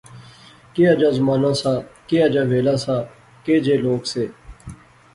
کیا جا زمانہ سا، کیا جا ویلا سا، کے جے لوک سے